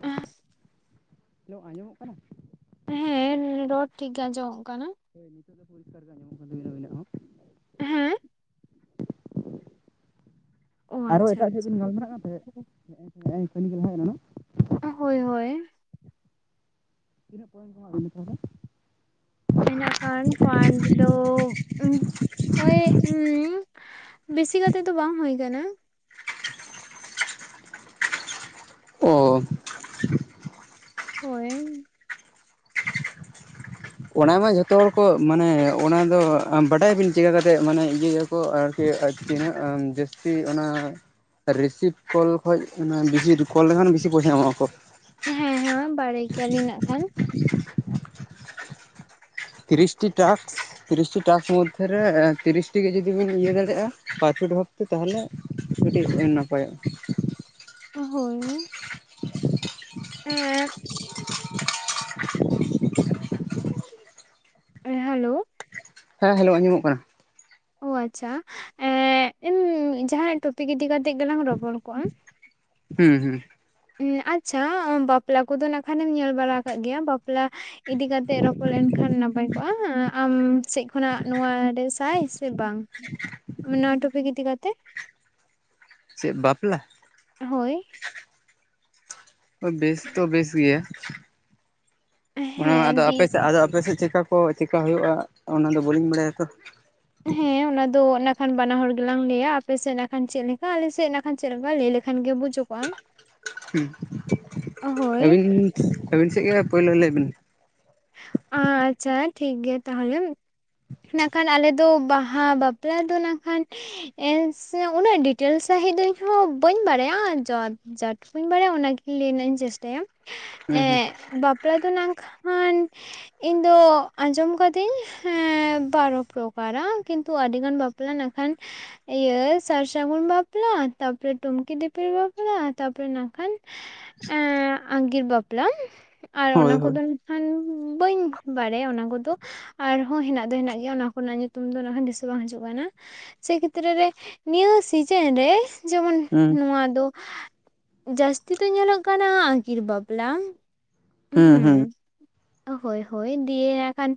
ᱯᱥ [inaudible] hello ᱟᱸᱡᱚᱢᱚᱜ ᱠᱟᱱᱟ ᱦᱮᱸ ᱨᱚᱲ ᱴᱷᱤᱠ ᱜᱮ ᱟᱸᱡᱚᱢᱚᱜ ᱠᱟᱱᱟ ᱦᱳᱭ ᱱᱤᱛᱚᱜ ᱫᱚ ᱯᱚᱨᱤᱥᱠᱟᱨ ᱜᱮ ᱟᱸᱢᱚᱢᱚᱜ ᱠᱟᱱᱟ ᱟᱵᱮᱱᱟᱜ ᱦᱚᱸ ᱦᱮᱸ ᱚ ᱟᱨᱚ ᱟᱪᱪᱷᱟ ᱮᱴᱟᱜ ᱴᱷᱮᱡ ᱟᱪᱪᱷᱟ ᱵᱤᱱ ᱜᱟᱞᱢᱟᱨᱟᱜ ᱠᱟᱱ ᱛᱟᱦᱮᱸᱫ ᱠᱟᱹᱱᱤ ᱜᱮ ᱛᱟᱦᱮᱸᱮᱡ ᱞᱮᱱᱟ [inaudible] ᱦᱳᱭ ᱦᱳᱭ ᱛᱤᱱᱟᱹ ᱠᱚ ᱮᱢ ᱠᱮᱢᱟ ᱱᱮᱛᱟᱨ [inaudible] ᱫᱚ ᱤᱱᱟᱹᱠᱷᱟᱱ ᱯᱟᱱᱴ ᱫᱚ ᱳᱭ ᱵᱮᱥᱤ ᱠᱟᱛᱮᱜ ᱫᱚ ᱵᱟᱝ ᱦᱩᱭ ᱟᱠᱟᱱᱟ ᱚ ᱦᱳᱭ [inaudible] ᱚᱱᱟ ᱢᱟ ᱡᱷᱚᱛᱚ ᱦᱚᱲ ᱠᱚ ᱢᱟᱱᱮ ᱚᱱᱟ ᱫᱚ ᱵᱟᱰᱟᱭ ᱵᱤᱱ ᱪᱤᱠᱟᱠᱟᱛᱮᱫ ᱢᱟᱱᱮ ᱤᱭᱟᱹᱭᱟ- ᱟᱨᱠᱤ ᱟᱨᱠᱤ ᱛᱤᱱᱟᱹᱜ ᱟ ᱡᱟᱹᱥᱛᱤ ᱚᱱᱟ- ᱨᱤᱥᱤᱵᱷ ᱠᱚᱞ ᱠᱷᱚᱡ ᱵᱮᱥᱤ ᱠᱚᱞ ᱞᱮᱱᱠᱷᱟᱱ ᱵᱤᱥᱤ ᱯᱚᱭᱥᱟ ᱮᱢᱚᱜᱼᱟᱠᱚ ᱦᱮᱸ ᱦᱮᱸ ᱵᱟᱲᱟᱭ ᱜᱮᱭᱟᱞᱤᱧ ᱱᱟᱜ ᱠᱷᱟᱱ ᱛᱤᱨᱤᱥᱴᱤ ᱴᱟᱥᱠ ᱛᱤᱨᱤᱥᱴᱤᱤ ᱴᱟᱥᱠ ᱢᱚᱫᱽᱫᱷᱮ ᱨᱮ ᱛᱤᱨᱤᱥᱴᱤ ᱜᱮ ᱡᱩᱫᱤ ᱵᱤᱱ ᱤᱭᱟᱹ ᱫᱟᱲᱮᱭᱟᱜᱼᱟ ᱯᱟᱸᱪᱩ ᱵᱷᱟᱵᱛᱮ ᱛᱟᱦᱚᱞᱮ ᱠᱟᱹᱴᱤᱡ ᱱᱟᱯᱟᱭᱚᱜᱼᱟ ᱚ ᱦᱳᱭ [inaudible] ᱦᱮᱞᱳ ᱦᱮᱸ ᱦᱮᱞᱳ ᱟᱡᱚᱢᱚᱜ ᱠᱟᱱᱟ ᱚ ᱟᱪᱪᱷᱟ ᱮ ᱡᱟᱦᱱᱟᱜ ᱴᱚᱯᱤᱠ ᱤᱫᱤ ᱠᱟᱛᱮᱜ ᱜᱮᱞᱟᱝ ᱨᱚᱯᱚᱲ ᱠᱚᱜᱼᱟ ᱦᱩᱸ ᱦᱩᱸ ᱩᱻ ᱟᱪᱪᱷᱟ ᱵᱟᱯᱞᱟ ᱠᱚᱫᱚ ᱱᱟᱠᱷᱟᱱᱮᱢ ᱧᱮᱞ ᱵᱟᱲᱟ ᱟᱠᱟᱫ ᱜᱮᱭᱟ ᱵᱟᱯᱞᱟ ᱤᱫᱤ ᱠᱟᱛᱮ ᱨᱚᱯᱚᱲ ᱞᱮᱱᱠᱷᱟᱱ ᱱᱟᱯᱟᱭ ᱠᱚᱜᱼᱟ ᱦ ᱟᱢ ᱥᱮᱫ ᱠᱷᱚᱱᱟᱜ ᱱᱚᱣᱟ ᱨᱮ ᱥᱟᱭ ᱥᱮ ᱵᱟᱝ ᱱᱚᱣᱟ ᱴᱚᱯᱤᱠ ᱤᱫᱤ ᱠᱟᱛᱮ ᱪᱮᱫ ᱵᱟᱯᱞᱟ ᱦᱳᱭ ᱵᱮᱥ ᱛᱚ ᱵᱮᱥ ᱜᱮᱭᱟ ᱚᱱᱟ ᱢᱟ ᱦᱮᱸ ᱟᱫᱚ ᱫᱤ ᱟᱯᱮ ᱥᱮᱫ ᱟᱫᱚ ᱟᱯᱮ ᱥᱮᱫ ᱪᱮᱠᱟ ᱠᱚ ᱪᱮᱠᱟ ᱦᱩᱭᱩᱜᱼᱟ ᱚᱱᱟᱫᱚ ᱵᱟᱹᱞᱤᱧ ᱵᱟᱲᱟᱭᱟ ᱛᱚ ᱦᱮᱸ ᱚᱱᱟ ᱫᱚ ᱚᱱᱟ ᱠᱷᱟᱱ ᱵᱟᱱᱟ ᱦᱚᱲ ᱜᱮᱞᱟᱝ ᱞᱟᱹᱭᱟ ᱟᱯᱮᱥᱮᱫ ᱱᱟᱠᱷᱟᱱ ᱪᱮᱫ ᱞᱮᱠᱟ ᱟᱞᱮᱥᱮᱫ ᱱᱟᱜ ᱪᱮᱫ ᱞᱮᱠᱟ ᱞᱟᱹᱭ ᱞᱮᱠᱷᱟᱱ ᱜᱮ ᱵᱩᱡᱩᱜᱚᱜᱼᱟ ᱦᱳᱭ ᱟᱹᱵᱤᱱ ᱟᱹᱵᱤᱱ ᱥᱮᱫ ᱜᱮ ᱯᱳᱭᱞᱳ ᱞᱟᱹᱭ ᱵᱤᱱ ᱟᱪᱪᱷᱟ ᱴᱷᱤᱠ ᱜᱮᱭᱟ ᱛᱟᱦᱚᱞᱮ᱾ ᱤᱠᱷᱟᱱ ᱟᱞᱮᱫᱚ ᱵᱟᱦᱟ ᱵᱟᱯᱞᱟ ᱫᱚ ᱱᱟᱠᱷᱟᱱ ᱥᱮ ᱩᱱᱟᱹᱜ ᱰᱤᱴᱮᱞᱥ ᱥᱟᱺᱦᱤᱡ ᱫᱚ ᱤᱧᱦᱚ ᱵᱟᱹᱧ ᱵᱟᱲᱟᱭᱟ ᱡᱟ ᱴᱩᱠᱩᱟᱹᱧ ᱵᱟᱲᱟᱭᱟ ᱚᱱᱟᱜᱮ ᱞᱟᱹᱭ ᱨᱮᱱᱟᱜ ᱤᱧ ᱪᱮᱥᱴᱟᱭᱟ᱾ ᱦᱩᱸ ᱦᱩᱸ ᱮᱸ ᱵᱟᱯᱞᱟ ᱫᱚ ᱱᱟᱝ ᱠᱷᱟ ᱤᱧ ᱫᱚ ᱟᱸᱡᱚᱢ ᱠᱟᱹᱫᱟᱹᱧ ᱵᱟᱨᱚ ᱯᱨᱚᱠᱟᱨᱟ ᱠᱤᱱᱛᱩ ᱟᱹᱰᱤᱜᱟᱱ ᱵᱟᱯ ᱵᱟᱯᱞᱟ ᱱᱟᱠᱷᱟᱱ ᱤᱭᱟᱹ ᱥᱟᱨ ᱥᱟᱹᱜᱩᱱ ᱵᱟᱯᱞᱟ, ᱛᱟᱨᱯᱚᱨᱮ ᱴᱩᱝᱠᱤ ᱫᱤᱯᱤᱞ, ᱵᱟᱯᱞᱟ ᱛᱟᱨᱯᱚᱨᱮ ᱱᱟᱠᱷᱟᱱ ᱮ ᱟᱸᱜᱤᱨ ᱵᱟᱯᱞᱟ ᱟᱨ ᱦᱳᱭ ᱚᱱᱟ ᱦᱳᱭ ᱠᱚᱫᱚ ᱠᱷᱟᱱ ᱵᱟᱹᱧ ᱵᱟᱲᱟᱭᱟ ᱚᱱᱟ ᱠᱚᱫᱚ ᱟᱨᱦᱚᱸ ᱦᱮᱱᱟᱜ ᱫᱚ ᱦᱮᱱᱟᱜ ᱜᱮᱭᱟ ᱚᱱᱟ ᱠᱚᱱᱟᱜ ᱧᱩᱛᱩᱢ ᱫᱚ ᱚᱱᱟ ᱦᱚᱸ ᱫᱤᱥᱟᱹ ᱦᱚᱸ ᱵᱟᱝ ᱦᱤᱡᱩᱜ ᱠᱟᱱᱟ᱾ ᱥᱮ ᱠᱷᱮᱛᱨᱟᱹ ᱨᱮ ᱱᱤᱭᱟᱹ ᱥᱤᱡᱮᱱ ᱨᱮ ᱡᱮᱢᱚᱱ ᱦᱩᱸ ᱱᱚᱣᱟ ᱫᱚ ᱡᱟᱹᱥᱛᱤ ᱫᱚ ᱧᱮᱞᱚᱜ ᱠᱟᱱᱟ ᱟᱹᱜᱤᱨ ᱵᱟᱯᱞᱟ ᱦᱩᱸ᱾ ᱦᱳᱭ ᱦᱳᱭ ᱫᱤᱭᱟ ᱮᱠᱷᱟᱱ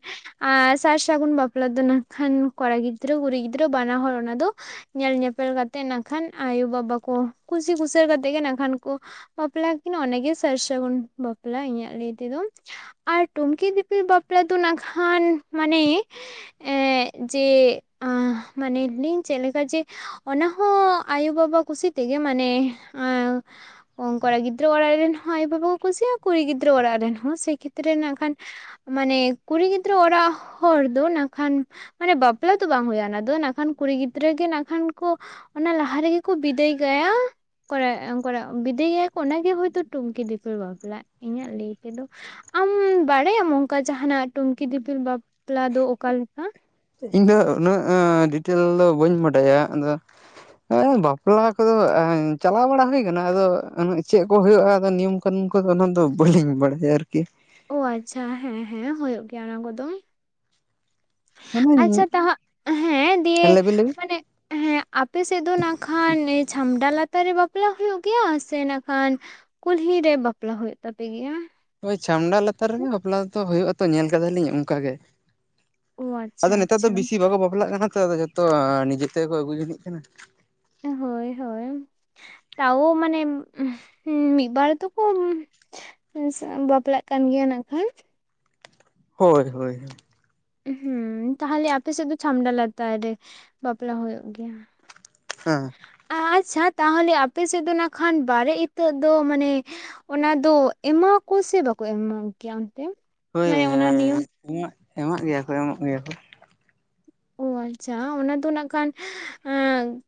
ᱟᱨ ᱥᱟᱨ ᱥᱟᱹᱜᱩᱱ ᱵᱟᱯᱞᱟ ᱫᱚ ᱱᱟᱠᱷᱟᱱ ᱠᱚᱲᱟ ᱜᱤᱫᱽᱨᱟᱹ ᱠᱩᱲᱤ ᱜᱤᱫᱽᱨᱟᱹ ᱵᱟᱱᱟ ᱦᱚᱲ ᱚᱱᱟ ᱫᱚ ᱧᱮᱞ ᱧᱮᱯᱮᱞ ᱠᱟᱛᱮᱫ ᱱᱟᱠᱷᱟᱱ ᱟᱭᱩᱼᱵᱟᱵᱟ ᱠᱚ ᱠᱩᱥᱤ ᱠᱩᱥᱟᱹ ᱠᱟᱛᱮᱫ ᱜᱮ ᱱᱟᱠᱷᱟᱱ ᱠᱚ ᱵᱟᱯᱞᱟ ᱠᱤᱱ ᱚᱱᱟᱜᱮ ᱥᱟᱨ ᱥᱟᱹᱜᱩᱱ ᱵᱟᱯᱞᱟ ᱤᱧᱟᱹᱜ ᱞᱟᱹᱭ ᱛᱮᱫᱚ᱾ ᱟᱨ ᱴᱩᱝᱠᱤ ᱫᱤᱯᱤᱞ ᱵᱟᱯᱞᱟ ᱫᱚ ᱱᱟᱠᱷᱟᱱ ᱢᱟᱱᱮ ᱮᱜ ᱡᱮ ᱢᱟᱱᱮ ᱞᱤᱧ ᱪᱮᱫ ᱞᱮᱠᱟ ᱡᱮ ᱚᱱᱟᱦᱚᱸ ᱟᱭᱳᱵᱟᱵᱟ ᱠᱩᱥᱤ ᱛᱮᱜᱮ ᱢᱟᱱᱮ ᱠᱚᱲᱟ ᱜᱤᱫᱽᱨᱟᱹ ᱚᱲᱟᱜ ᱨᱮᱱ ᱦᱚᱸ ᱟᱭᱳ ᱵᱟᱵᱟ ᱠᱚ ᱠᱩᱥᱟᱜᱼᱟ ᱠᱩᱲᱤ ᱜᱤᱫᱽᱨᱟᱹ ᱚᱲᱟᱜ ᱨᱮᱱ ᱦᱚᱸ ᱥᱮᱭ ᱠᱷᱮᱛᱨᱮ ᱨᱮ ᱱᱟᱠᱷᱟᱱ ᱢᱟᱱᱮ ᱠᱩᱲᱤ ᱜᱤᱫᱽᱨᱟᱹ ᱚᱲᱟᱜ ᱦᱚᱲ ᱫᱚ ᱱᱟᱠᱷᱟᱱ ᱢᱟᱱᱮ ᱵᱟᱯᱞᱟ ᱫᱚ ᱵᱟᱝ ᱦᱩᱭᱩᱜᱼᱟ ᱚᱱᱟ ᱫᱚ ᱠᱷᱟᱱ ᱠᱩᱲᱤ ᱜᱤᱫᱽᱨᱟᱹ ᱜᱮ ᱱᱟᱠᱷᱟᱱ ᱠᱚ ᱚᱱᱟ ᱞᱟᱦᱟ ᱨᱮᱜᱮ ᱠᱚ ᱵᱤᱫᱟᱹᱭ ᱠᱟᱭᱟ᱾ ᱠᱚ ᱠᱚ ᱵᱤᱫᱟᱭᱮᱭᱟ ᱚᱱᱟᱜᱮ ᱦᱚᱭᱛᱳ ᱴᱩᱱᱠᱤ ᱫᱤᱯᱤᱞ ᱵᱟᱵᱞᱟ᱾ ᱤᱧᱟᱹᱜ ᱞᱟᱹᱭ ᱛᱮᱫᱚ᱾ ᱟᱢ ᱵᱟᱲᱟᱭᱟᱢ ᱚᱱᱠᱟ ᱡᱟᱦᱟᱱᱟᱜ ᱴᱩᱝᱠᱤ ᱫᱤᱯᱤᱞ ᱵᱟᱯᱞᱟ ᱫᱚ ᱚᱠᱟᱞᱮᱠᱟ᱾ ᱤᱧᱫᱚ ᱩᱱᱟᱹᱜ ᱰᱤᱴᱮᱞ ᱫᱚ ᱵᱟᱹᱧ ᱵᱟᱰᱟᱭᱟ ᱟᱫᱚ ᱵᱟᱯᱞᱟ ᱠᱚᱫᱚ ᱪᱟᱞᱟᱣ ᱵᱟᱲᱟ ᱦᱩᱭ ᱟᱠᱟᱱᱟ ᱟᱫᱚ ᱪᱮᱫ ᱠᱚ ᱦᱩᱭᱩᱜᱼᱟ ᱱᱤᱭ ᱚᱱᱠᱟ ᱫᱚ ᱚᱱᱟ ᱫᱚ ᱵᱟᱹᱞᱤᱧ ᱵᱟᱲᱟᱭᱟ ᱟᱨᱠᱤ ᱟᱪᱪᱷᱟ ᱦᱮᱸ ᱦᱮᱸ ᱦᱩᱭᱩᱜ ᱜᱮᱭᱟ ᱚᱱᱟ ᱠᱚᱫᱚ᱾ ᱟᱪᱪᱷᱟ ᱢᱟᱱᱮ ᱛᱟᱦ ᱦᱮᱸ ᱫᱤᱭᱮ ᱞᱟᱹᱭᱵᱤᱱ ᱢᱟᱱᱮ ᱦᱮᱸ [inaudible] ᱟᱯᱮ ᱥᱮᱫ ᱫᱚ ᱱᱟᱜ ᱠᱷᱟᱱ ᱪᱷᱟᱢᱰᱟ ᱞᱟᱛᱟᱨ ᱨᱮ ᱵᱟᱯᱞᱟ ᱦᱩᱭᱩᱜ ᱜᱮᱭᱟ ᱥᱮ ᱱᱟᱜ ᱠᱷᱟᱱ ᱠᱩᱞᱦᱤ ᱨᱮ ᱵᱟᱯᱞᱟ ᱦᱩᱭᱩᱜ ᱛᱟᱯᱮᱜᱮᱭᱟ᱾ ᱳᱭ ᱪᱷᱟᱢᱰᱟ ᱞᱟᱛᱟᱨ ᱨᱮᱜᱮ ᱵᱟᱯᱞᱟ ᱫᱚ ᱦᱩᱭᱩᱜ ᱟᱛᱚ ᱧᱮᱞ ᱠᱟᱫᱟᱞᱤᱧ ᱚᱱᱠᱟ ᱜᱮ᱾ ᱚ ᱟᱪᱪᱷᱟ ᱟᱫᱚ ᱱᱮᱛᱟᱨ ᱫᱚ ᱟᱪᱪᱷᱟ ᱵᱮᱥᱤ ᱵᱟᱠᱚ ᱵᱟᱯᱞᱟᱜ ᱠᱟᱱᱟ ᱛᱚᱫᱚ ᱡᱚᱛᱚ ᱱᱤᱡᱮ ᱛᱮᱠᱚ ᱟᱹᱜᱩ ᱡᱤᱱᱤᱜ ᱠᱟᱱᱟ᱾ ᱦᱳᱭ ᱦᱳᱭ ᱛᱚ ᱢᱟᱱᱮ ᱢᱤᱫ ᱵᱟᱨ ᱛᱚᱠᱚ ᱵᱟᱯᱞᱟᱜ ᱠᱟᱱ ᱜᱮᱭᱟ ᱠᱷᱟᱱ ᱦᱳᱭ ᱦᱳᱭ ᱦᱮᱸ ᱛᱟᱦᱚᱞᱮ ᱟᱯᱮᱮᱥᱮᱫ ᱫᱚ ᱪᱷᱟᱢᱰᱟ ᱞᱟᱛᱟᱨ ᱨᱮ ᱵᱟᱯᱞᱟ ᱦᱩᱭᱩᱜ ᱜᱮᱭᱟ᱾ ᱦᱮᱸ ᱟᱪᱪᱷᱟ ᱛᱟᱦᱚᱞᱮ ᱟᱯᱮ ᱥᱮᱫ ᱫᱚ ᱱᱟᱜ ᱠᱷᱟᱱ ᱵᱟᱨᱮ ᱤᱛᱟᱹᱜ ᱫᱚ ᱢᱟᱱᱮ ᱚᱱᱟ ᱫᱚ ᱮᱢᱟᱠᱚ ᱥᱮ ᱵᱟᱠᱚ ᱮᱢᱢᱟ ᱜᱮᱭᱟ ᱚᱱᱛᱮ ᱦᱳᱭ ᱢᱟᱱᱮ ᱚᱱᱟ ᱱᱤᱭᱚᱢ ᱮᱢᱟᱜ ᱮᱢᱚᱜ ᱜᱮᱭᱟ ᱠᱚ ᱮᱢᱚᱜ ᱜᱮᱭᱟ ᱠᱚ ᱚ ᱟᱪᱪᱷᱟ ᱚᱱᱟ ᱫᱚ ᱱᱟᱜ ᱠᱷᱟᱱ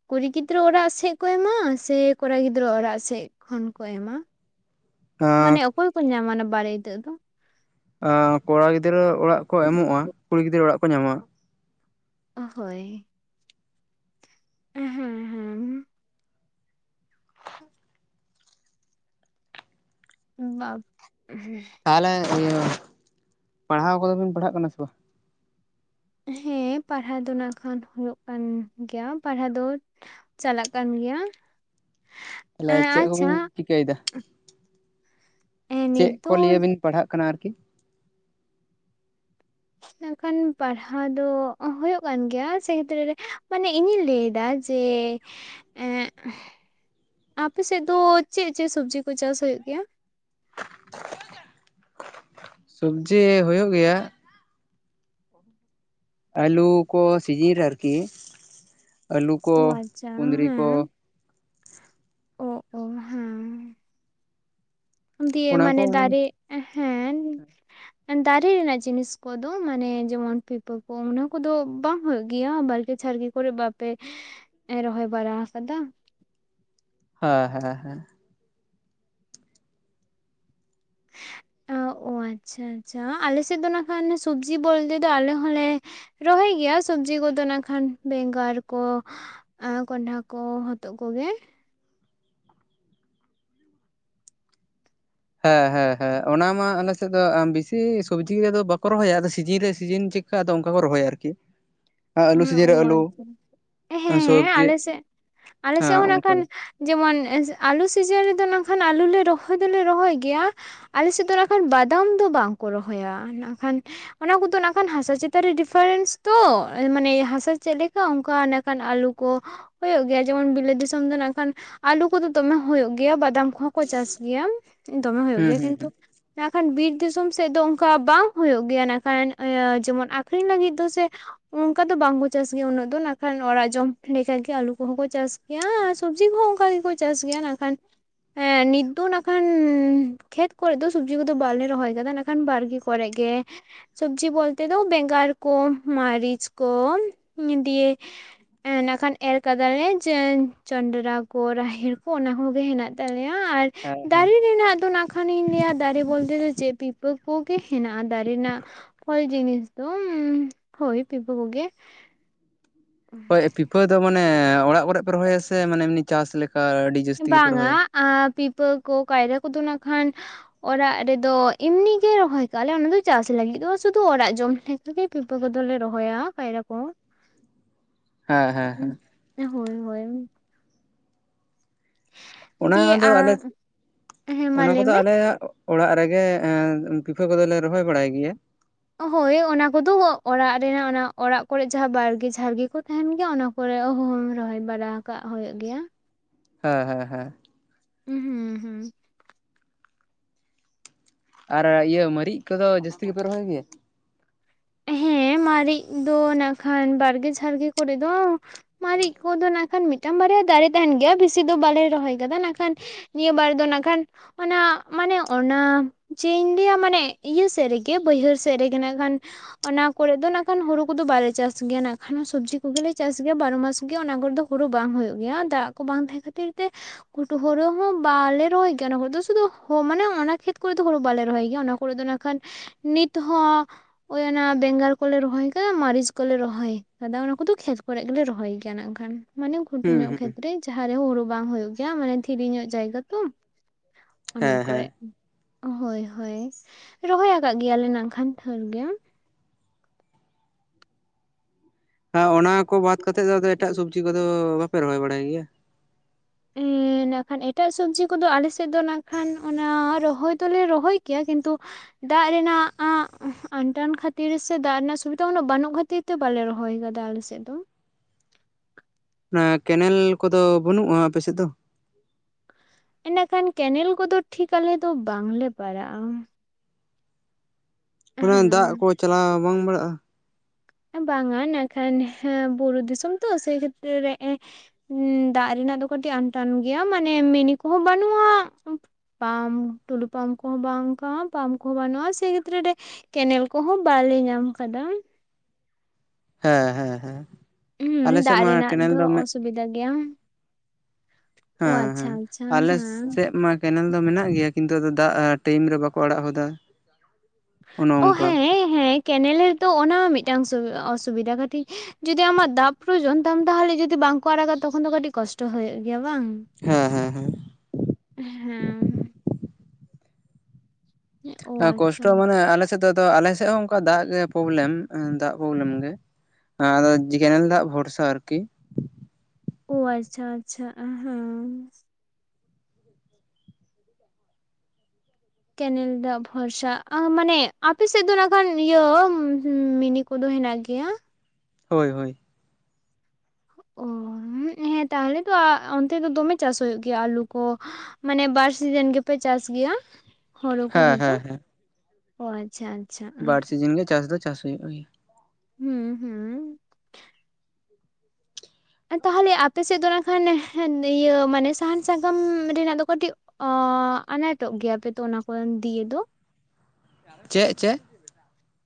ᱠᱩᱲᱤ ᱜᱤᱫᱽᱨᱟᱹ ᱚᱲᱟᱜ ᱥᱮᱫ ᱠᱚ ᱮᱢᱟ ᱥᱮ ᱠᱚᱲᱟ ᱜᱤᱫᱽᱨᱟᱹ ᱚᱲᱟᱜ ᱥᱮᱮᱫ ᱠᱷᱚᱱ ᱠᱚ ᱮᱢᱟ᱾ ᱢᱟᱱᱮ ᱚᱠᱚᱭ ᱠᱚ ᱧᱟᱢᱟ ᱚᱱᱟ ᱵᱟᱨᱮᱤᱛᱟᱹᱜ ᱫᱚ ᱠᱚᱲᱟ ᱜᱤᱫᱽᱨᱟᱹ ᱚᱲᱟᱜ ᱠᱚ ᱮᱢᱚᱜᱼᱟ ᱠᱩᱲᱤ ᱜᱤᱫᱽᱨᱟᱹ ᱚᱲᱟᱜ ᱠᱚ ᱧᱟᱢᱟ ᱚ ᱦᱳᱭ ᱦᱮᱸ ᱦᱮᱸ [unintelligible] [inaudible] ᱵᱟ ᱛᱟᱦᱚᱞᱮ ᱤᱭᱟᱹ ᱯᱟᱲᱦᱟᱣ ᱠᱚᱫᱚ ᱵᱤᱱ ᱯᱟᱲᱦᱟᱜ ᱠᱟᱱᱟ ᱥᱮ ᱵᱟᱝ ᱦᱮᱸ ᱯᱟᱲᱦᱟᱣ ᱫᱚ ᱱᱟᱸᱜ ᱠᱷᱟᱱ ᱦᱩᱭᱩᱜ ᱠᱟᱱ ᱜᱮᱭᱟ ᱯᱟᱲᱦᱟᱣ ᱫᱚ ᱪᱟᱞᱟᱜ ᱠᱟᱱ ᱜᱮᱭᱟ ᱛᱟᱦᱞᱮ ᱮᱸ ᱪᱮᱫ ᱟᱪᱪᱷᱟ ᱠᱚᱵᱤᱱ ᱪᱤᱠᱟᱹᱭᱮᱫᱟ ᱮᱸ ᱪᱮᱫ ᱱᱤᱛ ᱠᱚ ᱫᱚ ᱱᱤᱭᱟᱹ ᱵᱤᱱ ᱯᱟᱲᱦᱟᱜ ᱠᱟᱱᱟ ᱟᱨᱠᱤ ᱢᱮᱱ ᱠᱷᱟᱱ ᱯᱟᱲᱦᱟᱣ ᱫᱚ ᱦᱩᱭᱩᱜ ᱠᱟᱱ ᱜᱮᱭᱟ ᱥᱮ ᱠᱷᱮᱛᱨᱮ ᱨᱮ ᱢᱟᱱᱮ ᱤᱧᱤᱧ ᱞᱟᱹᱭ ᱮᱫᱟ ᱡᱮ ᱮᱸᱜ ᱟᱯᱮ ᱥᱮᱫ ᱫᱚ ᱪᱮᱫ ᱪᱮᱫ ᱥᱚᱵᱡᱤ ᱠᱚ ᱪᱟᱥ ᱦᱩᱭᱩᱜ ᱜᱮᱭᱟ ᱥᱚᱵᱡᱤ ᱦᱩᱭᱩᱜ ᱜᱮᱭᱟ ᱟᱹᱞᱩ ᱠᱚ ᱥᱤᱡᱤᱱ ᱨᱮ ᱟᱨᱠᱤ ᱟᱹᱞᱩ ᱠᱚ ᱚ ᱟᱪᱪᱷᱟ ᱠᱩᱫᱽᱨᱤ ᱠᱚ ᱳ ᱳ ᱦᱮᱸ ᱫᱤᱭᱮ ᱚᱱᱟ ᱠᱚ ᱢᱟᱱᱮ ᱫᱟᱨᱮ ᱦᱮᱸ ᱫᱟᱨᱮ ᱨᱮᱱᱟᱜ ᱡᱤᱱᱤᱥ ᱠᱚᱫᱚ ᱢᱟᱱᱮ ᱡᱮᱢᱚᱱ ᱯᱤᱯᱷᱟᱹ ᱠᱚ ᱚᱱᱟ ᱠᱚᱫᱚ ᱵᱟᱝ ᱦᱩᱭᱩᱜ ᱜᱮᱭᱟ ᱵᱟᱲᱜᱮ ᱡᱷᱟᱲᱜᱮ ᱠᱚᱨᱮ ᱵᱟᱯᱮ ᱨᱚᱦᱚᱭ ᱵᱟᱲᱟ ᱟᱠᱟᱫᱟ ᱦᱮᱸ ᱦᱮᱸ ᱦᱮᱸ [unintelligible] ᱟ, [inaudible] ᱚ ᱟᱪᱪᱷᱟ ᱟᱪᱪᱷᱟ ᱟᱞᱮᱥᱮᱫ ᱫᱚ ᱱᱟᱜ ᱠᱷᱟᱱ ᱥᱚᱵᱡᱤ ᱵᱚᱞᱛᱮ ᱫᱚ ᱟᱞᱮ ᱦᱚᱸᱞᱮ ᱨᱚᱦᱚᱭ ᱜᱮᱭᱟ ᱥᱚᱵᱡᱤ ᱠᱚᱫᱚ ᱱᱟᱜ ᱠᱷᱟᱱ ᱵᱮᱸᱜᱟᱲ ᱠᱚ ᱟᱨ ᱠᱚᱱᱰᱷᱟ ᱠᱚ ᱦᱚᱛᱚᱜ ᱠᱚᱜᱮ ᱦᱮᱸ ᱦᱮᱸ ᱦᱮᱸ ᱚᱱᱟ ᱢᱟ ᱟᱞᱮᱥᱮᱫ ᱫᱚ ᱵᱤᱥᱤ ᱥᱚᱵᱽᱡᱤ ᱠᱚᱫᱚ ᱵᱟᱠᱚ ᱨᱚᱦᱚᱭᱟ ᱟᱫᱚ ᱥᱤᱡᱤᱱ ᱨᱮ ᱥᱤᱡᱤᱱ ᱪᱮᱫ ᱟᱫᱚ ᱚᱱᱠᱟ ᱠᱚ ᱨᱚᱦᱚᱭᱟ ᱟᱨᱠᱤ ᱟᱹᱞᱩ ᱥᱤᱡᱤᱱ ᱨᱮ ᱟᱹᱞᱩ ᱟᱪᱪᱷᱟ ᱦᱮᱸ ᱦᱮᱸ ᱥᱚᱵᱽᱡᱤ ᱟᱞᱮ ᱥᱮᱫ ᱟᱞᱮ ᱥᱮᱫ ᱦᱮᱸ ᱦᱚᱸ ᱱᱟᱜ ᱚᱱᱠᱟ ᱠᱷᱟᱱ ᱜᱮ ᱡᱮᱢᱚᱱ ᱟᱞᱩ ᱥᱤᱡᱤᱱ ᱨᱮᱫᱚ ᱱᱟᱜᱠᱷᱟᱱ ᱟᱹᱞᱩ ᱞᱮ ᱨᱚᱦᱚᱭ ᱫᱚᱞᱮ ᱨᱚᱦᱚᱭ ᱜᱮᱭᱟ ᱟᱞᱮ ᱥᱮᱫ ᱫᱚ ᱱᱟᱜ ᱠᱷᱟᱱ ᱵᱟᱫᱟᱢ ᱫᱚ ᱵᱟᱝ ᱠᱚ ᱨᱚᱦᱚᱭᱟ ᱱᱟᱜ ᱠᱷᱟᱱ ᱚᱱᱟ ᱠᱚᱫᱚ ᱱᱟᱜ ᱠᱷᱟᱱ ᱦᱟᱥᱟ ᱪᱮᱛᱟᱱ ᱨᱮ ᱰᱤᱯᱷᱟᱨᱮᱱᱥ ᱛᱚ ᱢᱟᱱᱮ ᱦᱟᱥᱟ ᱪᱮᱫ ᱞᱮᱠᱟ ᱚᱱᱠᱟ ᱱᱟᱜ ᱠᱷᱟᱱ ᱟᱞᱩ ᱠᱚ ᱦᱩᱭᱩᱜ ᱜᱮᱭᱟ ᱡᱮᱢᱚᱱ ᱵᱤᱞᱟᱹᱛ ᱫᱤᱥᱚᱢ ᱫᱚ ᱱᱟᱜ ᱠᱷᱟᱱ ᱟᱞᱩ ᱠᱚᱫᱚ ᱫᱚᱢᱮ ᱦᱩᱭᱩᱜ ᱜᱮᱭᱟ ᱵᱟᱫᱟᱢ ᱠᱚᱦᱚᱸ ᱠᱚ ᱪᱟᱥ ᱜᱮᱭᱟ ᱫᱚᱢᱮ ᱦᱩᱭᱩᱜ ᱦᱩᱸ ᱜᱮᱭᱟ ᱦᱩᱸ ᱠᱤᱱᱛᱩ ᱦᱩᱸ ᱱᱟᱜ ᱠᱷᱟᱱ ᱵᱤᱨ ᱫᱤᱥᱚᱢ ᱥᱮᱫ ᱫᱚ ᱚᱱᱠᱟ ᱵᱟᱝ ᱦᱩᱭᱩᱜ ᱜᱮᱭᱟ ᱱᱟᱜ ᱠᱷᱟᱱ ᱤᱭᱟᱹ ᱡᱮᱢᱚᱱ ᱟᱠᱷᱨᱤᱧ ᱞᱟᱹᱜᱤᱫ ᱫᱚ ᱥᱮ ᱚᱱᱠᱟ ᱫᱚ ᱵᱟᱝᱠᱚ ᱪᱟᱥ ᱜᱮᱭᱟ ᱩᱱᱟᱹᱜ ᱫᱚ ᱱᱟᱜ ᱠᱷᱟᱱ ᱚᱲᱟᱜ ᱡᱚᱢ ᱞᱮᱠᱟᱜ ᱜᱮ ᱟᱞᱩ ᱠᱚᱦᱚᱸ ᱠᱚ ᱪᱟᱥ ᱜᱮᱭᱟ ᱥᱚᱵᱽᱡᱤ ᱠᱚᱦᱚᱸ ᱚᱱᱠᱟ ᱜᱮᱠᱚ ᱪᱟᱥ ᱜᱮᱭᱟ ᱱᱟᱜ ᱠᱷᱟᱱ ᱦᱮᱸ ᱱᱤᱛ ᱫᱚ ᱱᱟᱜ ᱠᱷᱟᱱ ᱠᱷᱮᱛ ᱠᱚᱨᱮ ᱫᱚ ᱥᱚᱵᱡᱤ ᱠᱚᱫᱚ ᱵᱟᱞᱮ ᱨᱚᱦᱚᱭ ᱟᱠᱟᱫᱟ ᱠᱟᱫᱟ ᱱᱟᱜ ᱠᱷᱟᱱ ᱵᱟᱲᱜᱮ ᱠᱚᱨᱮ ᱜᱮ ᱥᱚᱵᱽᱡᱤ ᱵᱚᱞᱛᱮ ᱫᱚ ᱵᱮᱸᱜᱟᱲ ᱠᱚ ᱢᱟᱨᱤ ᱪ ᱠᱚ ᱫᱤᱭᱮ ᱮᱸ ᱱᱟᱜ ᱠᱷᱟᱱ ᱮᱨ ᱟᱠᱟᱫᱟ ᱞᱮ ᱡᱮ ᱡᱚᱸᱰᱽᱨᱟ ᱠᱚ ᱨᱟᱦᱮᱲ ᱠᱚ ᱚᱱᱟ ᱠᱚᱜᱮ ᱦᱮᱱᱟᱜ ᱛᱟᱞᱮᱭᱟ ᱟᱨ ᱦᱮᱸ ᱦᱮᱸ ᱫᱟᱨᱮ ᱨᱮᱱᱟᱜ ᱫᱚ ᱚᱱᱟ ᱠᱷᱟᱱᱤᱧ ᱞᱟᱹᱭᱟ ᱫᱟᱨᱮ ᱵᱚᱞᱛᱮ ᱫᱚ ᱪᱮᱫ ᱯᱤᱯᱷᱟᱹ ᱠᱚᱜᱮ ᱦᱮᱱᱟᱜᱼᱟ ᱫᱟᱨᱮ ᱨᱮᱱᱟᱜ ᱯᱷᱚᱞ ᱡᱤᱱᱤᱥ ᱫᱚ ᱦᱳᱭ ᱯᱤᱯᱷᱟᱹ ᱠᱚᱜᱮ ᱦᱳᱭ ᱯᱤᱯᱷᱟᱹ ᱫᱚ ᱢᱟᱱᱮ ᱚᱲᱟᱜ ᱠᱚᱨᱮ ᱯᱮ ᱨᱚᱦᱚᱭᱟ ᱥᱮ ᱢᱟᱱᱮ ᱮᱢᱱᱤ ᱪᱟᱥ ᱞᱮᱠᱟ ᱟᱹᱰᱤ ᱡᱟᱹᱥᱛᱤ ᱜᱮᱯᱮ ᱵᱟᱝᱼᱟ ᱨᱚᱦᱚᱭᱟ ᱯᱤᱯᱷᱟᱹ ᱠᱚ ᱠᱟᱭᱨᱟ ᱠᱚᱫᱚ ᱱᱟᱜ ᱠᱷᱟᱱ ᱚᱲᱟᱜ ᱨᱮᱫᱚ ᱮᱢᱱᱤ ᱜᱮ ᱨᱚᱦᱚᱭ ᱠᱟᱜᱼᱟ ᱞᱮ ᱚᱱᱟ ᱫᱚ ᱪᱟᱥ ᱞᱟᱹᱜᱤᱫ ᱫᱚ ᱵᱟᱝ ᱥᱩᱫᱷᱩ ᱚᱲᱟᱜ ᱡᱚᱢ ᱞᱟ ᱜᱤᱫ ᱯᱤᱯᱷᱟᱹ ᱠᱚᱫᱚ ᱞᱮ ᱨᱚᱦᱚᱭᱟ ᱠᱟᱭᱨᱟ ᱠᱚ ᱦᱮᱸ ᱦᱮᱸ ᱦᱩᱸ, ᱦᱮᱸ ᱦᱳᱭ ᱦᱳᱭ ᱚᱱᱟ ᱫᱤᱭᱮ ᱫᱚ ᱟᱞᱮ ᱟᱸ ᱦᱮᱸ ᱢᱟ ᱚᱱᱟ ᱞᱟᱹᱭ ᱠᱚᱫᱚ ᱢᱮ ᱟᱞᱮᱭᱟᱜ ᱚᱲᱟᱜ ᱨᱮᱜᱮ ᱯᱤᱯᱷᱟᱹ ᱠᱚᱫᱚ ᱞᱮ ᱨᱚᱦᱚᱭ ᱵᱟᱲᱟᱭ ᱜᱮᱭᱟ ᱦᱳᱭ ᱚᱱᱟ ᱠᱚᱫᱚ ᱚᱲᱟᱜ ᱨᱮᱱᱟᱜ ᱚᱱᱟ ᱚᱲᱟᱜ ᱠᱚᱨᱮ ᱡᱟᱦᱟᱸ ᱵᱟᱲᱜᱮ ᱡᱷᱟᱲᱜᱮ ᱠᱚ ᱛᱟᱦᱮᱱ ᱜᱮᱭᱟ ᱚᱱᱟ ᱠᱚ ᱠᱚᱨᱮ ᱦᱩᱢ ᱨᱚᱦᱚᱭ ᱵᱟᱲᱟ ᱠᱟᱜ ᱦᱩᱭᱩᱜ ᱜᱮᱭᱟ᱾ ᱦᱮᱸ ᱦᱮᱸ ᱦᱮᱸ ᱦᱩᱸ ᱦᱩᱸ ᱦᱩᱸ ᱟᱨ ᱤᱭᱟᱹ ᱢᱟᱹᱨᱤᱪ ᱠᱚᱫᱚ ᱡᱟᱹᱥᱛᱤ ᱜᱮᱯᱮ ᱨᱚᱦᱚᱭ ᱜᱮᱭᱟ ᱦᱮᱸ ᱢᱟᱨᱤᱪ ᱫᱚ ᱱᱟᱜ ᱠᱷᱟᱱ ᱵᱟᱲᱜᱮ ᱡᱷᱟᱲᱜᱮ ᱠᱚᱨᱮ ᱫᱚ ᱢᱟᱨᱤᱪ ᱠᱚᱫᱚ ᱱᱟᱜ ᱠᱷᱟᱱ ᱢᱤᱫᱴᱟᱝ ᱵᱟᱨᱭᱟ ᱫᱟᱨᱮ ᱛᱟᱦᱮᱱ ᱜᱮᱭᱟ ᱵᱮᱥᱤ ᱫᱚ ᱵᱟᱞᱮ ᱨᱚᱦᱚᱭ ᱟᱠᱟᱫᱟ ᱱᱟᱜ ᱠᱷᱟᱱ ᱱᱤᱭᱟᱹ ᱵᱟᱨ ᱫᱚ ᱱᱟᱜ ᱠᱷᱟᱱ ᱚᱱᱟ ᱢᱟᱱᱮ ᱚᱱᱟ ᱪᱮᱜ ᱤᱧ ᱞᱟᱹᱭᱟ ᱢᱟᱱᱮ ᱤᱭᱟᱹ ᱥᱮᱫ ᱨᱮᱜᱮ ᱵᱟᱹᱭᱦᱟᱹᱲ ᱥᱮᱫ ᱨᱮᱜᱮ ᱱᱟᱜ ᱠᱷᱟᱱ ᱚᱱᱟ ᱠᱚᱨᱮᱜ ᱫᱚ ᱱᱟᱜ ᱠᱷᱟᱱ ᱦᱩᱲᱩ ᱠᱚᱫᱚ ᱵᱟᱞᱮ ᱪᱟᱥ ᱜᱮᱭᱟ ᱱᱟᱜ ᱠᱷᱟᱱ ᱥᱚᱵᱽᱡᱤ ᱠᱚᱜᱮᱞᱮ ᱪᱟᱥ ᱜᱮᱭᱟ ᱵᱟᱨᱚ ᱢᱟᱥ ᱜᱮ ᱚᱱᱟ ᱠᱚᱨᱮᱫ ᱫᱚ᱾ ᱦᱩᱲᱩ ᱵᱟᱝ ᱦᱳᱭᱳᱜ ᱜᱮᱭᱟ ᱫᱟᱜ ᱠᱚ ᱵᱟᱝ ᱛᱟᱦᱮᱸ ᱠᱷᱟᱹᱛᱤᱨ ᱛᱮ ᱜᱷᱩᱴᱩ ᱦᱳᱲᱳ ᱦᱚᱸ ᱵᱟᱞᱮ ᱨᱚᱦᱚᱭ ᱜᱮᱭᱟ ᱚᱱᱟ ᱠᱚᱨᱮᱜ ᱫᱚ ᱥᱩᱫᱩ ᱦᱳ ᱢᱟᱱᱮ ᱚᱱᱟ ᱠᱷᱮᱛ ᱠᱚᱨᱮ ᱫᱚ ᱦᱳᱲᱳ ᱵᱟᱞᱮ ᱨᱚᱦᱚᱭ ᱜᱮᱭᱟ ᱚᱱᱟ ᱠᱚᱨᱮ ᱫᱚ ᱱᱟᱜ ᱠᱷᱟᱱ ᱱᱤᱛ ᱦᱚᱸ ᱦᱳᱭ ᱚᱱᱟ ᱵᱮᱸᱜᱟᱲ ᱠᱚᱞᱮ ᱨᱚᱦᱚᱭ ᱠᱟᱫᱟ ᱢᱟᱹᱨᱤᱪ ᱠᱚᱞᱮ ᱨᱚᱦᱚᱭ ᱠᱟᱫᱟ ᱚᱱᱟ ᱠᱚᱫᱚ ᱠᱷᱮᱛ ᱠᱚᱨᱮ ᱜᱮᱞᱮ ᱨᱚᱦᱚᱭ ᱜᱮᱭᱟ ᱱᱟᱜ ᱠᱷᱟᱱ ᱢᱟᱱᱮ ᱜᱷᱩᱴᱩ ᱦᱩᱸ ᱧᱚᱜ ᱦᱩᱸ ᱠᱷᱮᱛᱨᱮ ᱡᱟᱦᱟᱸᱨᱮ ᱦᱳᱲᱳ ᱵᱟᱝ ᱦᱩᱭᱩᱜ ᱜᱮᱭᱟ ᱢᱟᱱᱮ ᱫᱷᱤᱨᱤ ᱧᱚᱜ ᱡᱟᱭᱜᱟ ᱛᱚ ᱚᱱᱟ ᱦᱮᱸ ᱦᱮᱸ ᱠᱚᱨᱮ ᱦᱳᱭ ᱦᱳᱭ ᱨᱚᱦᱚᱭ ᱟᱠᱟᱜ ᱜᱮᱭᱟᱞᱮ ᱱᱟᱜ ᱠᱷᱟᱱ ᱫᱷᱟᱹᱨ ᱜᱮ ᱦᱮ ᱚᱱᱟ ᱠᱚ ᱵᱟᱫ ᱠᱟᱛᱮᱫ ᱫᱚ ᱟᱫᱚ ᱮᱴᱟᱜ ᱥᱚᱵᱡᱤ ᱠᱚᱫᱚ ᱵᱟᱯᱮ ᱨᱚᱦᱚᱭ ᱵᱟᱲᱟᱭ ᱜᱮᱭᱟ ᱮᱸᱻ ᱱᱟᱜ ᱠᱷᱟᱱ ᱮᱴᱟᱜ ᱥᱚᱵᱽᱡᱤ ᱠᱚᱫᱚ ᱟᱞᱮ ᱥᱮᱫ ᱫᱚ ᱱᱟᱜ ᱠᱷᱟᱱ ᱚᱱᱟ ᱨᱚᱦᱚᱭ ᱫᱚᱞᱮ ᱨᱚᱦᱚᱭ ᱠᱮᱭᱟ ᱠᱤᱱᱛᱩ ᱫᱟᱜ ᱨᱮᱱᱟᱜ ᱟᱸ ᱟᱱᱴᱟᱱ ᱠᱷᱟᱹᱛᱤᱨ ᱥᱮ ᱫᱟᱜ ᱨᱮᱱᱟᱜ ᱥᱩᱵᱤᱫᱟ ᱩᱱᱟᱹᱜ ᱵᱟᱱᱩᱜ ᱠᱷᱟᱛᱤᱨ ᱛᱮ ᱵᱟᱞᱮ ᱨᱚᱦᱚᱭ ᱠᱟᱫᱟ ᱟᱞᱮ ᱥᱮᱫ ᱫᱚ᱾ ᱚᱱᱟ ᱠᱮᱱᱮᱞ ᱠᱚᱫᱚ ᱵᱟᱹᱱᱩᱜᱼᱟ ᱟᱯᱮ ᱥᱮᱫ ᱫᱚ᱾ ᱤᱱᱮᱜ ᱠᱷᱟᱱ ᱠᱮᱱᱮᱞ ᱠᱚᱫᱚ ᱴᱷᱤᱠ ᱟᱞᱮ ᱫᱚ ᱵᱟᱝᱞᱮ ᱯᱟᱲᱟᱜᱼᱟ ᱚᱱᱮ ᱫᱟᱜ ᱠᱚ ᱦᱮᱸ ᱪᱟᱞᱟᱣ ᱵᱟᱝ ᱵᱟᱲᱟᱜᱼᱟ᱾ ᱵᱟᱝᱟ ᱱᱟᱜ ᱠᱷᱟᱱ ᱦᱮᱸ ᱵᱩᱨᱩ ᱫᱤᱥᱚᱢ ᱛᱚ ᱥᱮ ᱠᱷᱮᱛᱨᱮ ᱨᱮ ᱮᱸ ᱦᱮᱸ ᱫᱟᱜ ᱨᱮᱱᱟᱜ ᱫᱚ ᱠᱟᱹᱴᱤᱡ ᱟᱱᱴᱟᱱ ᱜᱮᱭᱟ ᱢᱟᱱᱮ ᱢᱤᱱᱤ ᱠᱚᱦᱚᱸ ᱵᱟᱹᱱᱩᱜᱼᱟ ᱯᱟᱢᱯ ᱴᱩᱞᱩ ᱯᱟᱢᱯ ᱠᱚᱦᱚᱸ ᱵᱟᱝᱼᱠᱟ ᱯᱟᱢᱯ ᱠᱚᱦᱚᱸ ᱵᱟᱹᱱᱩᱜᱼᱟ ᱥᱮ ᱠᱷᱮᱛᱨᱮ ᱨᱮ ᱠᱮᱱᱮᱞ ᱠᱚᱦᱚᱸ ᱵᱟᱞᱮ ᱧᱟᱢ ᱟᱠᱟᱫᱟ᱾ ᱦᱮᱸ ᱦᱮᱸ ᱦᱮᱸ ᱟᱞᱮᱮᱥᱮᱫ ᱢᱟ ᱠᱮᱱᱮᱞ ᱫᱚ ᱢᱤᱫ ᱥᱩᱵᱤᱫᱷᱟ ᱜᱮᱭᱟ ᱚ ᱦᱮᱸ ᱟᱪᱪᱷᱟ ᱦᱮᱸ ᱟᱪᱪᱷᱟ ᱟᱞᱮ ᱦᱮᱸ ᱥᱮᱫ ᱢᱟ ᱠᱮᱱᱮᱞ ᱫᱚ ᱢᱮᱱᱟᱜ ᱜᱮᱭᱟ ᱠᱤᱱᱛᱩ ᱫᱟᱜ ᱴᱟᱭᱤᱢ ᱨᱮ ᱵᱟᱠᱚ ᱟᱲᱟᱜ ᱦᱚᱫᱟ ᱚᱱᱮ ᱚ ᱚᱱᱠᱟ ᱦᱮᱸ ᱦᱮᱸ ᱠᱮᱱᱮᱞ ᱨᱮᱫᱚᱚ ᱚᱱᱟ ᱢᱤᱫᱴᱟᱝ ᱚᱥᱩᱵᱤᱫᱷᱟ ᱠᱟᱹᱴᱤᱡ ᱡᱩᱚᱫᱤ ᱟᱢᱟᱜ ᱫᱟᱜ ᱯᱨᱚᱭᱚᱱ ᱛᱟᱢ ᱛᱟᱦᱚᱞᱮ ᱡᱩᱚᱫᱤ ᱵᱟᱝᱠᱚ ᱟᱲᱟᱜᱟ ᱛᱚᱠᱷᱚᱱ ᱫᱚ ᱠᱟᱹᱴᱤᱡ ᱠᱚᱥᱴᱚ ᱦᱩᱭᱩᱜ ᱜᱮᱭᱟ ᱵᱟᱝ ᱦᱮᱸ ᱦᱮᱸ ᱦᱮᱸ ᱦᱮᱸ ᱚ ᱠᱚᱥᱴᱚ ᱟᱪᱪᱷᱟ ᱢᱟᱱᱮ ᱟᱞᱮ ᱥᱮᱫ ᱫᱚ ᱟᱞᱮ ᱥᱮᱫ ᱦᱚᱸ ᱚᱱᱠᱟ ᱫᱟᱜ ᱜᱮ ᱯᱨᱚᱵᱞᱮᱢ ᱫᱟᱜ ᱯᱨᱚᱵᱞᱮᱢ ᱜᱮ ᱦᱮ ᱟᱫᱚ ᱡᱮ ᱠᱮᱱᱮᱞ ᱫᱟᱜ ᱵᱷᱚᱨᱥᱟ ᱟᱨᱠᱤ ᱟᱪᱪᱷᱟ ᱟᱪᱪᱷᱟ ᱦᱮᱸ ᱠᱮᱱᱮᱞ ᱨᱮᱭᱟᱜ ᱵᱷᱚᱨᱥᱟ ᱢᱟᱱᱮ ᱟᱯᱮᱥᱮᱫ ᱫᱚ ᱱᱟᱜᱱᱟᱜᱟᱱ ᱤᱭᱟᱹ ᱢᱤᱱᱤ ᱠᱚᱫᱚ ᱦᱮᱱᱟᱜ ᱜᱮᱭᱟ᱾ ᱦᱳᱭ ᱦᱳᱭ ᱚ ᱦᱮᱸ ᱛᱟᱦᱚᱞᱮ ᱫᱚ ᱚᱱᱛᱮ ᱫᱚ ᱫᱚᱢᱮ ᱪᱟᱥ ᱦᱩᱭᱩᱜ ᱜᱮᱭᱟ ᱟᱹᱞᱩ ᱠᱚ ᱢᱟᱱᱮ ᱵᱟᱨ ᱥᱤᱡᱤᱱ ᱜᱮᱯᱮ ᱪᱟᱥ ᱜᱮᱭᱟ ᱦᱲᱩ ᱠᱚ ᱦᱮᱸ ᱦᱚᱭᱛᱚ ᱦᱮᱸ ᱦᱮᱸ ᱚ ᱟᱪᱪᱷᱟ ᱟᱪᱪᱷᱟ ᱵᱟᱨ ᱥᱤᱡᱤᱱ ᱜᱮ ᱪᱟᱥ ᱫᱚ ᱪᱟᱥ ᱦᱩᱭᱩᱜ ᱜᱮᱭᱟ᱾ ᱦᱩᱸ ᱦᱩᱸ ᱛᱟᱦᱚᱞᱮ ᱟᱯᱮ ᱥᱮᱫ ᱫᱚ ᱠᱷᱟᱱ ᱤᱭᱟᱹ ᱢᱟᱱᱮ ᱥᱟᱦᱟᱱ ᱥᱟᱠᱟᱢ ᱨᱮᱱᱟᱜ ᱫᱚ ᱠᱟᱹᱴᱤᱡ ᱚᱻ ᱟᱱᱟᱴᱚᱜ ᱜᱮᱭᱟᱯ ᱛᱚ ᱚᱱᱟ ᱠᱚ ᱫᱤᱭᱮ ᱫᱚ ᱪᱮᱫ ᱪᱮᱫ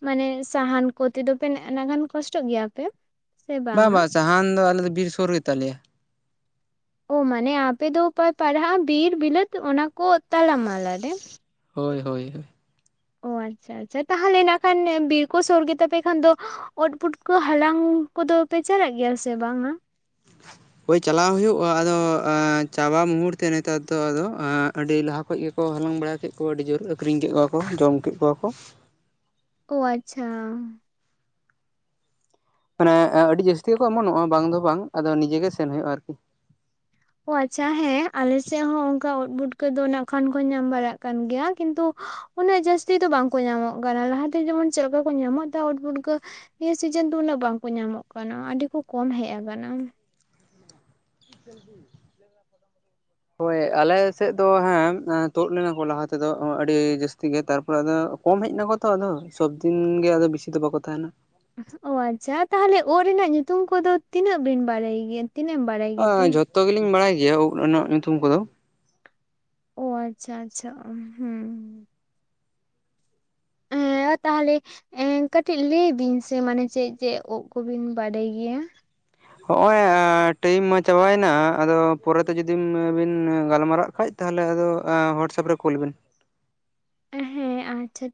ᱢᱟᱱᱮ ᱥᱟᱦᱟᱱ ᱠᱚᱛᱮ ᱫᱚᱚᱯᱮ ᱚᱱᱟᱱᱟᱜᱟᱱ ᱠᱚᱥᱴᱚᱜ ᱜᱮᱭᱟ ᱯᱮ᱾ ᱥᱮ ᱵᱟᱝ ᱵᱟᱝᱟ? ᱵᱟᱝ ᱥᱟᱦᱟᱱ ᱫᱚ ᱟᱞᱮ ᱫᱚ ᱵᱤᱨ ᱥᱩᱨ ᱜᱮᱛᱟᱞᱮᱭᱟ ᱚ ᱢᱟᱱᱮ ᱟᱯᱮ ᱫᱚ ᱚᱠᱚᱭ ᱯᱟᱲᱦᱟᱜᱼᱟ ᱵᱤᱨ ᱵᱤᱞᱟᱹᱛ ᱚᱱᱟ ᱠᱚ ᱛᱟᱞᱟᱢᱟᱞᱟ ᱨᱮ᱾ ᱦᱳᱭ ᱦᱳᱭ ᱚ ᱟᱪᱪᱷᱟ ᱟᱪᱪᱷᱟ ᱛᱟᱦᱚᱞᱮ ᱱᱟᱜ ᱠᱷᱟᱱ ᱵᱤᱨ ᱠᱚ ᱥᱩᱨ ᱜᱮᱛᱟᱯᱮ ᱠᱷᱟᱱ ᱫᱚ ᱚᱛ ᱯᱩᱴ ᱠᱚ ᱦᱟᱞᱟᱝ ᱠᱚᱫᱚ ᱯᱮ ᱪᱟᱞᱟᱜ ᱜᱮᱭᱟ ᱥᱮ ᱵᱟᱝᱟ? [unintelligible] [unintelligible] ᱦᱳᱭ ᱪᱟᱞᱟᱣ ᱦᱩᱭᱩᱜᱼᱟ ᱟᱫᱚ ᱪᱟᱵᱟ ᱢᱩᱦᱩᱨᱛᱮ ᱱᱮᱛᱟᱨ ᱫᱚ ᱟᱫᱚ ᱟᱹᱰᱤ ᱞᱟᱦᱟ ᱠᱷᱚᱱ ᱜᱮ ᱠᱚ ᱦᱟᱞᱟᱝ ᱵᱟᱲᱟ ᱠᱮᱫ ᱠᱚᱣᱟ ᱟᱹᱰᱤ ᱡᱳᱨ ᱟᱹᱠᱷᱨᱤᱧ ᱠᱮᱫ ᱠᱚᱣᱟ ᱠᱚ ᱡᱚᱢ ᱠᱮᱫ ᱠᱚᱣᱟ ᱠᱚ ᱚ ᱟᱪᱪᱷᱟ ᱢᱟᱱᱮ ᱟᱹᱰᱤ ᱡᱟᱹᱥᱛᱤᱠᱚ ᱮᱢᱚᱱᱚᱜᱼᱟ ᱵᱟᱝ ᱫᱚ ᱵᱟᱝ ᱟᱫᱚ ᱱᱤᱡᱮᱜ ᱜᱮ ᱥᱮᱱ ᱦᱩᱭᱩᱜᱼᱟ ᱟᱨᱠᱤ ᱚ ᱟᱪᱪᱷᱟ ᱦᱮᱸ ᱟᱞᱮ ᱥᱮᱫ ᱦᱚᱸ ᱚᱱᱠᱟ ᱩᱫ ᱵᱩᱴᱠᱟᱹ ᱫᱚ ᱠᱷᱚᱱᱟᱱ ᱠᱚ ᱧᱟᱢ ᱵᱟᱲᱟᱜ ᱠᱟᱱ ᱜᱮᱭᱟ ᱠᱤᱱᱛᱩ ᱩᱱᱟᱹᱜ ᱡᱟᱹᱥᱛᱤ ᱫᱚ ᱵᱟᱝᱠᱚ ᱧᱟᱢᱚᱜ ᱠᱟᱱᱟ ᱞᱟᱦᱟᱛᱮ ᱡᱮᱢᱚᱱ ᱪᱮᱫ ᱞᱮᱠᱟ ᱠᱚ ᱧᱟᱢᱚᱜ ᱩᱫ ᱯᱩᱴᱠᱟᱹ ᱱᱤᱭᱟᱹ ᱥᱤᱡᱮᱱ ᱫᱚ ᱩᱱᱟᱹᱜ ᱵᱟᱝᱠᱚ ᱧᱟᱢᱚᱜ ᱠᱟᱱᱟ ᱟᱹᱰᱤ ᱠᱚ ᱠᱚᱢ ᱦᱮᱡ ᱟᱠᱟᱱᱟ᱾ [unintelligible] ᱦᱳᱭ ᱟᱞᱮ ᱥᱮᱫ ᱫᱚ ᱦᱮᱸ ᱛᱩᱫ ᱞᱮᱱᱟ ᱠᱚ ᱞᱟᱦᱟ ᱛᱮᱫᱚ ᱟᱹᱰᱤ ᱡᱟᱹᱥᱛᱤ ᱜᱮ ᱛᱟᱨᱯᱚᱨᱮ ᱟᱫᱚ ᱠᱚᱢ ᱦᱮᱡ ᱱᱟᱠᱚ ᱛᱚ ᱟᱫᱚ ᱥᱚᱵᱫᱤᱱ ᱜᱮ ᱟ ᱵᱤᱥᱤ ᱫᱚ ᱵᱟᱠᱚ ᱛᱟᱦᱮᱱᱟ ᱚ ᱟᱪᱪᱷᱟ ᱛᱟᱦᱚᱞᱮ ᱩᱫ ᱨᱮᱱᱟᱜ ᱧᱩᱛᱩᱢ ᱠᱚᱫᱚ ᱛᱤᱱᱟᱹᱜ ᱵᱤᱱ ᱵᱟᱲᱟᱭ ᱜᱮᱭᱟ ᱛᱤᱱᱟᱹᱜ ᱮᱢ ᱵᱟᱲᱟᱭ ᱜᱮᱛᱮ? ᱡᱚᱛᱚ ᱜᱮᱞᱤᱧ ᱵᱟᱲᱟᱭ ᱜᱮᱭᱟ ᱩᱵ ᱨᱮᱱᱟᱜ ᱧᱩᱛᱩᱢ ᱠᱚᱫᱚ᱾ ᱚ ᱟᱪᱪᱷᱟ ᱟᱪᱪᱷᱟ ᱦᱩᱸ ᱦᱮ ᱛᱟᱦᱞᱮ ᱮ ᱠᱟᱹᱴᱤᱡ ᱞᱟᱹᱭ ᱵᱤᱱ ᱥᱮ ᱢᱟᱱᱮ ᱪᱮᱫ ᱪᱮᱫ ᱩᱵ ᱠᱚᱵᱤᱱ ᱵᱟᱰᱟᱭ ᱜᱮᱭᱟ᱾ ᱦᱚᱜᱼᱚᱭ ᱴᱟᱭᱤᱢ ᱢᱟ ᱪᱟᱵᱟᱭᱮᱱᱟ ᱟᱫᱚ ᱯᱚᱨᱮᱛᱮ ᱡᱩᱫᱤᱢ ᱵᱤᱱ ᱜᱟᱞᱢᱟᱨᱟᱜ ᱠᱷᱟᱡ ᱛᱟᱦᱚᱞᱮ ᱟᱫᱚ ᱦᱚᱳᱣᱟᱴᱥᱮᱯ ᱨᱮ ᱠᱩᱞ ᱵᱤᱱ᱾ ᱦᱮᱸ ᱟᱪᱪᱷᱟ